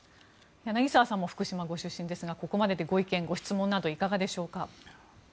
柳澤さんも福島ご出身ですがここまででご意見、ご質問などいかがでしょうか。